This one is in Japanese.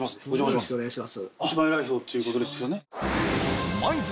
よろしくお願いします。